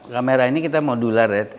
kamera ini kita modular ya